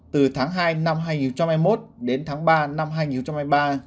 từ tháng hai năm hai nghìn hai mươi một đến tháng ba năm hai nghìn hai mươi ba